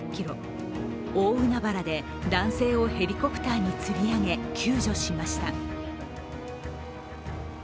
大海原で男性をヘリコプターにつり上げ、救助しました。